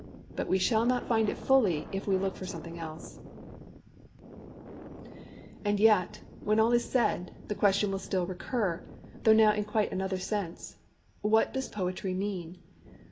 But we shall not find it fully if we look for something else. THE FURTHER MEANING OF POETRY And yet, when all is said, the question will still recur, though now in quite another sense, What does poetry mean?